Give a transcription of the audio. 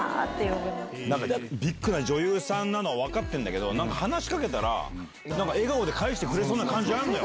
ビッグな女優さんなの分かってるんだけど、なんか話しかけたら、なんか、笑顔で返してくれそうな感じあるのよ。